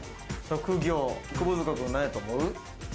職業、窪塚君、何やと思う？